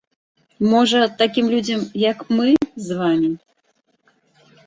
Можа, такім людзям, як мы з вамі.